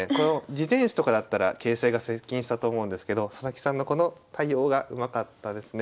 次善手とかだったら形勢が接近したと思うんですけど佐々木さんのこの対応がうまかったですね。